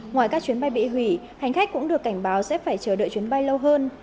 ngoài các chuyến bay bị hủy hành khách cũng được cảnh báo sẽ phải chờ đợi chuyến bay lâu hơn